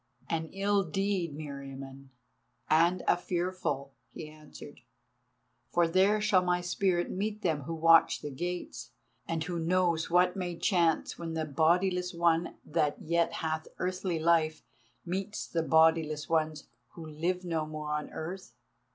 "An ill deed, Meriamun, and a fearful," he answered, "for there shall my Spirit meet them who watch the gates, and who knows what may chance when the bodiless one that yet hath earthly life meets the bodiless ones who live no more on earth?"